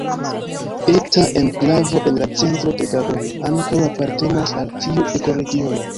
Eta enklavo en la centro de Gabono ankaŭ apartenas al tiu ekoregiono.